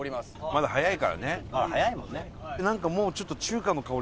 まだ早いもんね。